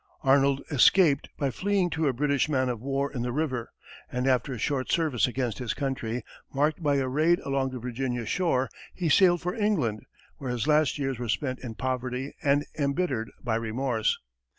Arnold escaped by fleeing to a British man of war in the river, and after a short service against his country, marked by a raid along the Virginia shore, he sailed for England, where his last years were spent in poverty and embittered by remorse.